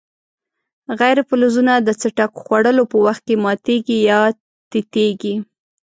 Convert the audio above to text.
غیر فلزونه د څټک خوړلو په وخت کې ماتیږي یا تیتیږي.